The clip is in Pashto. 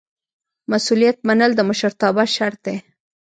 مسؤلیت منل د مشرتابه شرط دی.